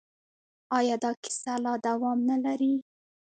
آیا دا کیسه لا دوام نلري؟